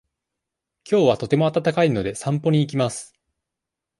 きょうはとても暖かいので、散歩に行きます。